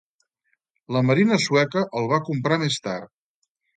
La Marina sueca el va comprar més tard.